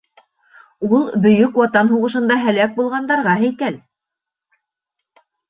Ул Бөйөк Ватан һуғышында һәләк булғандарға һәйкәл.